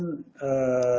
ada sedikit peningkatan